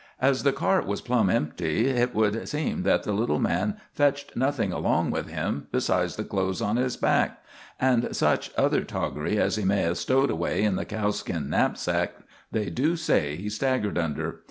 "As the cart was plumb empty, hit would seem that the little man fetched nothing along with him besides the clothes on his hack, and such other toggery as he may have stowed away in the cowskin knapsack they do say he staggered under.